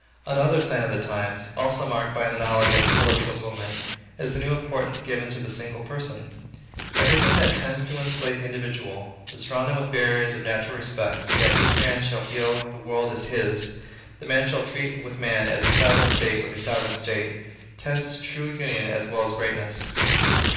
Another sign of our times, also marked by an analogous political movement, is, the new importance given to the single person. Every thing that tends to insulate the individual, to surround him with barriers of natural respect, so that each man shall feel the world is his, and man shall treat with man as a sovereign state with a sovereign state; tends to true union as well as greatness.